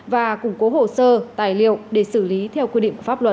và củng cố hồ sơ tài liệu để xử lý theo quy định pháp luật